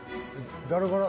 誰から？